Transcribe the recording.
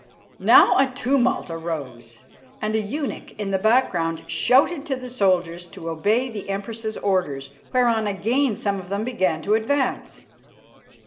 Now a tumult arose, and a eunuch in the background shouted to the soldiers to obey the Empress's orders, whereon again some of them began to advance.